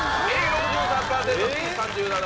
６３％Ｂ３７％。